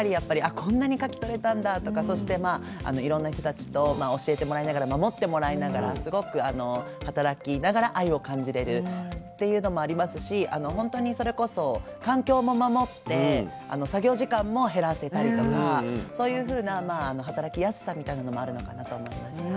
こんなにかきとれたんだとかそしてまあいろんな人たちとまあ教えてもらいながら守ってもらいながらすごく働きながら愛を感じれるっていうのもありますしほんとにそれこそ環境も守って作業時間も減らせたりとかそういうふうなまあ働きやすさみたいなのもあるのかなと思いました。